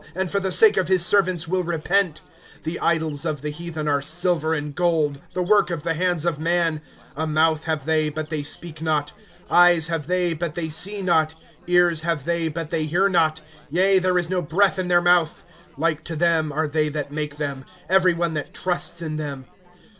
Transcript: And for the sake of his servants will repent. 1^ The idols of the heathen are silver and gold, The work of the hands of man. ^^ A mouth have they, but they speak not ; Eyes have they, but they see not, " Ears have they, but they hear not ; Yea, there is no breath in their mouth. ^^ Like to them are they that make them, Every one that trusts in them.